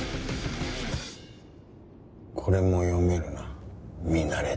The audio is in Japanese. これも読めるな美熟って。